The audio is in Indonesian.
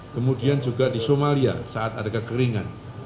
kemudian juga di somalia saat ada kekeringan